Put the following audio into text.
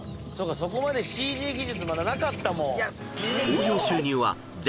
そこまでＣＧ技術なかったもん。